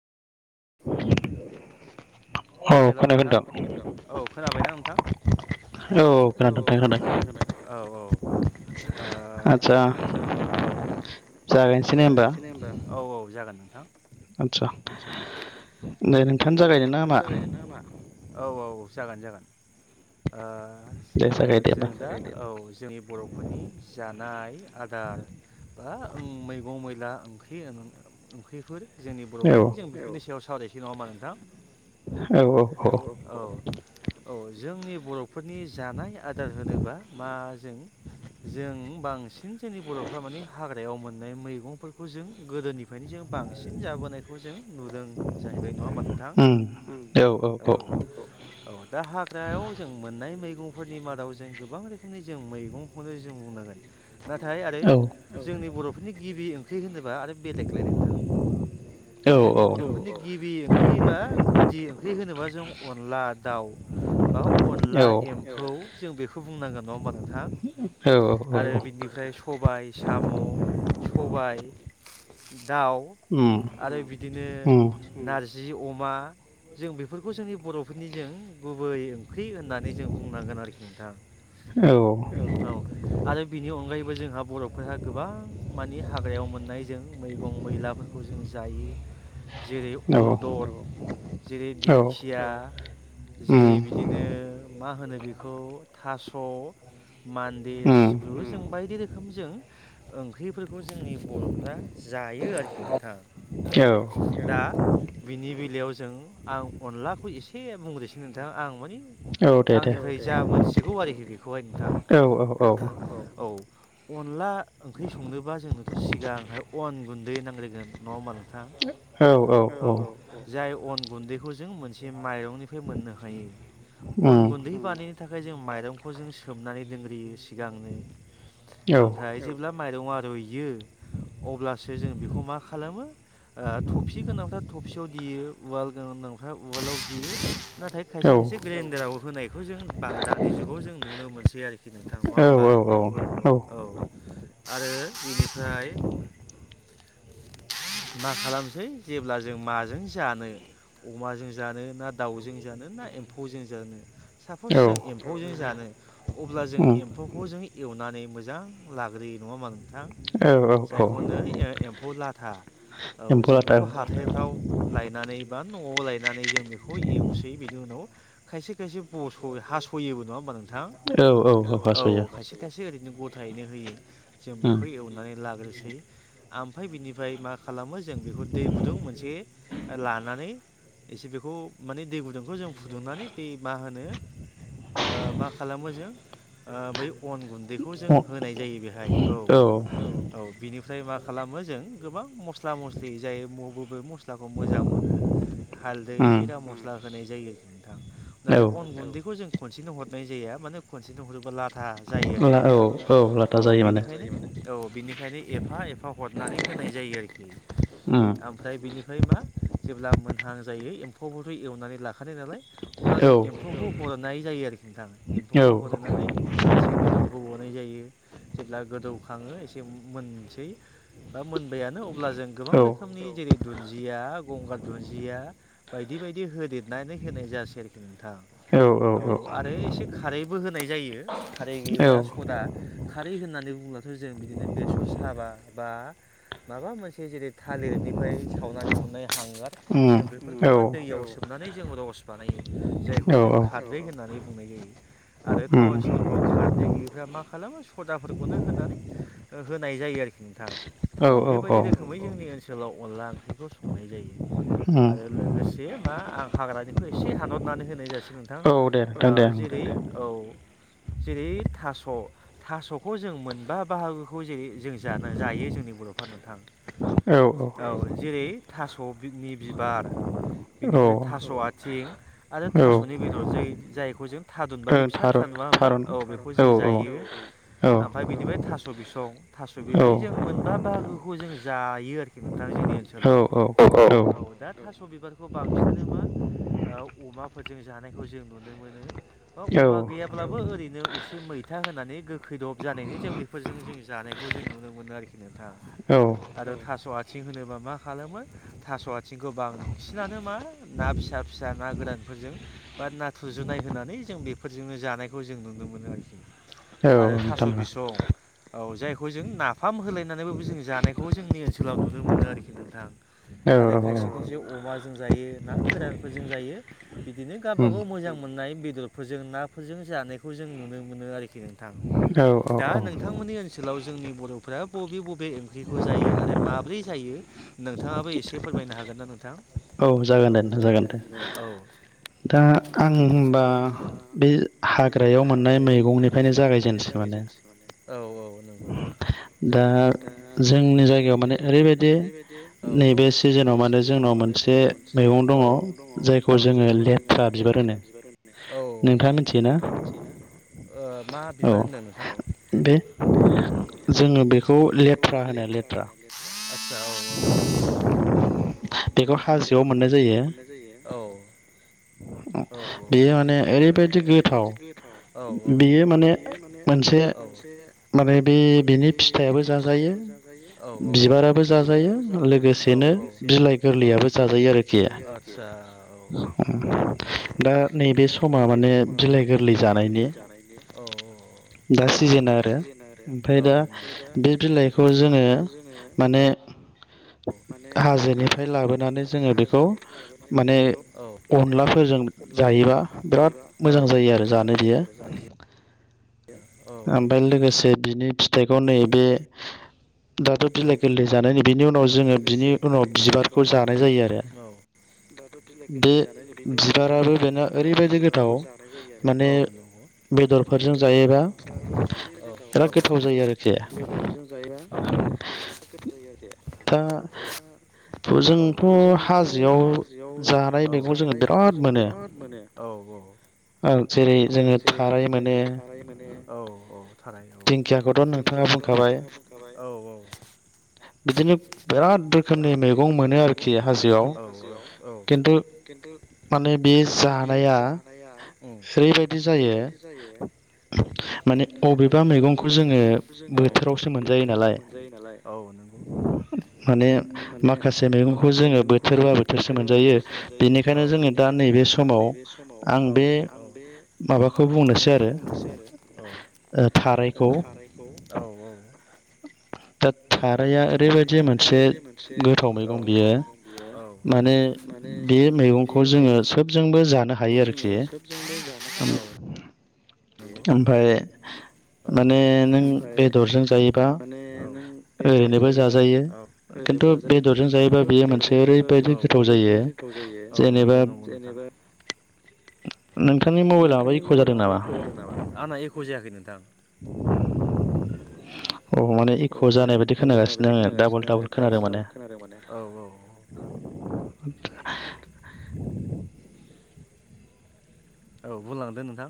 [inaudible] हेल' नोंथां खोन औ खोनाबायना नोंथां। औ खोनादो नोंथां खोनादो औ औ। आ आतसा औ। जागायसै नै होमबा औ औ जागोन। आदसा नै नोंथां जागायनो ना मा। औ औ जागोन जागोन। जों दा औ जोंनि बर'फोरनि जानाय आदार बा मैगं मै ला ओंख्रि ओंख्रिफोर जोंनि बर'फोरनि जों बेफोरनि सायाव सावरायसै नङा मा नोंथां। औ औ औ। जोंनि बर'फोरनि जानाय आदार होनोब्ला मा जों जों बांसिन जोंनि बर'फ्रा माने हाग्रायाव मोननाय मैगंफोरखौ जों गोदोनि फायनो जों बांसिन जाबोनायखौ जों नुदों जाहैबाय नङा होमबा नोंथां औ औ दा जों मोननाय मैगंफोरनि मादाव जों गोबां रोखोमनि जों मैगंखौनो जों बुंनांगोन नाथाय आरो जोंनि बर'फोरनि गिबि ओंख्रि होनोब्ला आरो बेलेगलायदों नोंथां औ जोंनि बर'फोरनि गिबि ओंख्रि बा गुदि ओंख्रि होनोबा जों अनला दाउ अनला एम्फौ जों बेखौ बुंनांगोन नङा होनोमबा नोंथां आरो बिनिफ्राय सबाय साम' सबाय दाउ आरो बिदिनो नारजि अम मा जों बेफोरखौ जोंनि बर'फोरनि जों गुबै ओं ख्रि होननानै जों बुंनांगोन आरोखि नोंथां औ आरो बिनि अनगायैबो जोंहा बर'फोराहा गोबां मानि हाग्रायाव मोननाय जों मैगं मैलाफोरखौ जों जायो [inaudible] जेरै अलदर जेरै दिंखिया जेरै बिदि मा होनो बेखौ थास' मान्दे सिब्रु जों बायदि रोखोम जों ओंख्रिफोरखौ जोंनि बर'फ्रा जायो आरोखि नोंथां। औ बिनि बेलायाव जों आं अनलाखौ एसे बुंग्रोसोन नोंथाङा आं माने आंनिफ्राय जा मोनथिगौ आरोखि बेखौहाय नोंथां औ अनला ओंख्रि संनोबा जोंनोथ' सिगां हाय अन गुन्दै नांग्रोगोन नंआ ओमबा नोंथां औ जाय अन गुन्दैखौ जों मोनसे माइरंनिफ्राय मोननो हायो। अन गुन्दै बानायनो थाखाय जों माइरंखौ जों सोमनानै दोंग्रोयो सिगांनो ओमफ्राय जेब्ला माइरंआ रुइयो। अब्लासो जों बिखौ मा खालामो ओ थफि गोनांफ्रा थफसियाव देयो उवाल गोनांफ्रा उवालाव देयो ना। थाय खायसे खाय गेदेराव होनायखौ जों बां दानि जुगाव जों नुनो मोनसै आरोखि। खि नोंथां नङा ओमबा औ। आरो बिनिफ्राय [inaudible] [unintelligible] मा खालामनोसै जेब्ला जों माजों जानो? अमाजो जानो ना दाउजों जानो ना एम फौजों जोन साफस जों एम्फौजों जानो अब्ला जों एम्फौखौ जों एवनानै मोजां लाग्रोयो नङाओमबा नोंथां जायखौ होनो ए एम्फौ लाथा औ जों बेखौ हाथायफ्राव लायनानै बा न'आव लाय नानै जों बेखौ एवसै बिनि उनाव खायसे खायसे बस' हास'योबो नङा ओम नोंथां औ औ खायसे खायसे ओैरैनो गद थायैनो होयो जों बेखौ एवनानै लाग्रोसै आमफ्राय बिनिफ्राय मा खालामो जों बे खौ दै गुदुं मोनसे लानानै इसे बेखौ माने दै गुदुंखौ जों फुदुंनानै बे मा होनो ओ मा खालामो जों ओ बै अन गुन्दैखौ जों होनाय जायो बेहाय औ औ औ बिनिफ्राय मा खालाम मो जों गोबां मस्ला मस्लि जायो ब बबे मस्लाखौ मोजां मोनो हालदै जिरामस्ला होनाय जायो। नोंथां नाथाय अन गुन्दैखौ जों खनसेनो हरनाय जाया मानो खनसेनो हरोबा लाथा जायो आरो। थां औ बिनिखायनो औ बिनि खायनो एफा एफा हरनानै होनाय जायो आरोखि। ओमफ्राय बिनिफ्राय मा जेब्ला मोनहां जायो एम्फौबोथ' एवनानै लाख खारोनालाय अब्ला जों एम्फौखौ हरनाय जायो आरोखि नोंथां एम्फौखौ हरनानै एसे गोदौ होबावनाय जायो जेब्ला गोदौखाङो एसे मोनसै बा मोनबायानो अब्ला जों गोबां रोखोमनि जेरै दुन्जिया गंगार दुन्जिया बायदि बेबायदि होदेरनानै होनाय जासै आरोखि नोंथां। औ आरो एसे खारैबो होनाय जायो खारै गैयैफ्रा सदा खारै होननानै होनब्लाथ' जों बिदिनो बेसर साबा बा माबा मोनसे जेरै थालिरनिफ्राय सावनानै मोननाय हांगार जों बेफोरखौ मा दैयाव सो हनानै जों रस बानायो जायखौ जों खारदै होननानै बुंनाय जायो। आरो थाउन सहरफ्राव खारदै गैयैफ्रा मा खालामो सदाफोरखौनो होनानै ओ होनाय जायो आरो। नोंथां औ औ बेबायदि रोखोमै जोंनि ओनसोलाव अनला ओंख्रिखौ संनाय जायो। आरो लोगोसे मा आं हाग्रानिखौ इसे हानहरनानै होनाय जासै नोंथां ओ जेरै [inaudible] जेरै थास' थास'खौ जों मोनबा बाहागोखौ जेरै जों जानो जायो जोंनि बर'फ्रा नोंथां औ जेरै थास' बि नि बिबार बिनिफ्राय थास' आथिं आरो थास'नि बेदर जै जायखौ जों थादुनबादि फिसा फिसा नु ङा होमबा औ बेखौ जों जायो औ औ। आमफाय औ बिनिफ्राय थास' बिसं थास' बिलाइ जों औ मोनबा बाहागोखौ जों जायो आरोखि नोंथां जों जोंनि ओनसोलाव औ औ औ दा थास' बिबार खौ बांसिनानो मा ओ अमाफोरजों जानायखौ जों नुनो मोनो बा अमा गैयाबा बाबो ओरैनो इसे मैथा होनानै गोखैदब जानायनि जों बेफोरजों जों जानायखौ जों नुनो मोनो आरोखि। नोंथां औ आरो थास' आथिं होनोबा मा खालामो थास' आथिंखौ बांसिन जानो मा ना फिसा फिसा ना गोरानफोरजों बा नाथुर जुनाय होनानै जों बेफोरजोंनो जा जानायखौ जों नुनो मोनो आरोखि। ए। आरो थास' बिसं। औ जायखौ जों नाफाम होलायनानैबाबो जों जानायखौ जोंनि ओनसोलाव नुनो मोनो आरोखि नोंथां। आरो खायसे खायसे अमा जों जायो ना गोरानफोरजों जायो बिदिनो गाबा गाव मोजां मोननाय बेदरफोरजों नाफोरजों जानायखौ जों नुनो मोनो आरोखि नोंथां। दा नोंथांमोननि ओनसोलाव जोंनि बरफोरा बबे बबे ओंख्रिखौ जायो आरो माब्रै जायो? नोंथाङाबो एसे फोरमायनो हागोन ना नोंथाङा? औ जागोन दे नोंथां जागोन दे। दा आं होमबा बे हाग्रायाव मोननाय मैगंनिफायनो जागायजेनसै खोमा औ औ नंगौ। औ औ। औ, औ, औ। ओ मा बिबार होनदों नोंथां? जोङो बेखौ लेथ्रा होनो लेथ्रा। आस्सा औ औ औ औ। औ। बेयो माने ओरैबायदि गोथाव, बियो माने मोनसे माने बे बिनि फिथाइआबो जाजायो, बिबाराबो जाजायो, लोगोसेनो बिलाइ गोरलैयाबो जाजायो आरोखि। औ औ औ औ। आरो ओमफाय दा बे बिलाइखौ जोङो माने [inaudible] हाजोनिफ्राय लाबोनानै जोङो बेखौ माने अनलाफोरजों अनलाफोरजों जायोबा बिराद मोजां जायो आरो जानो बि ओमफाय लोगोसे बिनि फिथाइखौ नैबे दाथ' बिलाइ गोरलै जानायनि बिनि उनाव जोङो बिनि उनाव बिबारखौ जानाय जायो आरो। बे बिबाराबो बेना ओरैबायदि गोथाव, माने बेदरफोरजों जायोबा औ औ औ औ। [unintelligible] दा जोंथ' हाजोआव जानाय मैगं जोङो बेराद मोन औ औ। ओं जे ओ जेरै जोङो थाराय मोनो। औ औ। थाराय औ। दिंखियाखौथ' नोंथाङा बुंखाबाय। औ औ। बिदिनो बिराद रोखोमनि मैगं मोनो आरोखि हाजोआव। खिन्थु खिन्थु माने बे जानाया सोरैबाय दि जायो माने अबेब औ औ। औ नोंगौ। माने माखासे मैगंखौ जोङो बोथोर बा बोथोरसो मोनजायो। बेनिखायनो जोंङो दा नै औ औ। औ। औ औ। औ औ। बे मैगंखौ जोङो सोबजोंबो जा नो हायो आरोखि। ओम ओमफाय माने नों बेदरजों जायोबा ओरैनोबो जाजायो। औ, औ औ, औ नंगौ नंगौ नोंथां। आंना एख' जायाखै नोंथां। [inaudible] [unintelligible] [inaudible] औ बुंलांदो नोंथां।